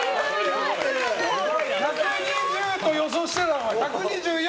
１２０と予想したのが１２４！